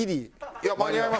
いや間に合います。